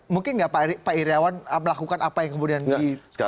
mungkin nggak pak iryawan melakukan apa yang kemudian di tengah raih